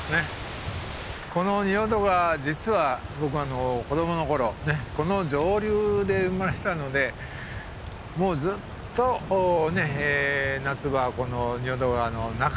この仁淀川実は僕が子どもの頃ね上流で生まれたのでもうずっと夏場はこの仁淀川の中で遊んでました。